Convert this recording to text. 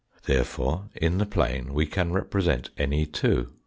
Therefore in the plane we can represent any two.